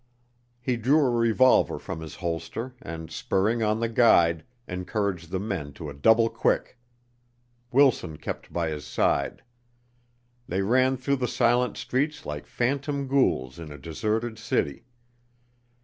He drew a revolver from his holster and, spurring on the guide, encouraged the men to a double quick. Wilson kept by his side. They ran through the silent streets like phantom ghouls in a deserted city.